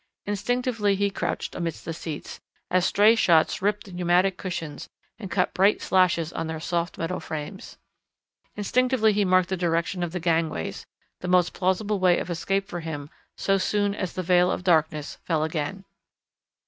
Instinctively he crouched amidst the seats, as stray shots ripped the pneumatic cushions and cut bright slashes on their soft metal frames. Instinctively he marked the direction of the gangways, the most plausible way of escape for him so soon as the veil of darkness fell again.